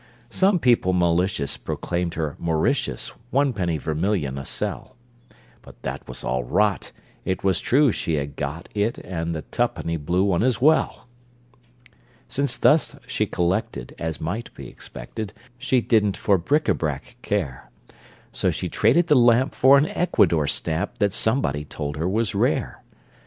Some people malicious Proclaimed her Mauritius One penny vermilion a sell. But that was all rot. It Was true she had got it, And the tuppenny blue one as well! Since thus she collected, As might be expected, She didn't for bric à brac care, So she traded the lamp For an Ecuador stamp That somebody told her was rare!